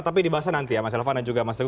tapi dibahas nanti ya mas elvan dan juga mas teguh